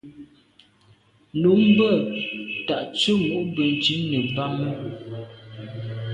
Nummb’a ta tsemo’ benntùn nebame.